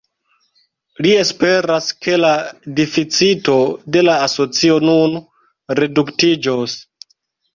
Li esperas ke la deficito de la asocio nun reduktiĝos.